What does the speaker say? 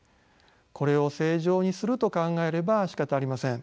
これを正常にすると考えればしかたありません。